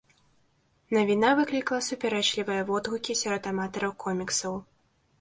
Навіна выклікала супярэчлівыя водгукі сярод аматараў коміксаў.